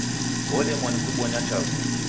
Wolemwa nikubonya chaghu